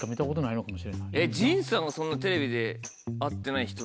えっ陣さんがそんなテレビで会ってない人。